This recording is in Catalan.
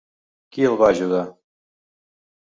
Qui el va ajudar?